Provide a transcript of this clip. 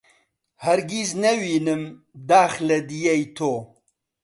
هەرگیز نەوینم داخ لە دییەی تۆ